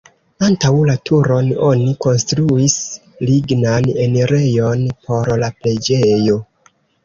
Antaŭ la turon oni konstruis lignan enirejon por la preĝejo.